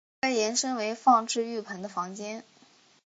后来延伸为放置浴盆的房间。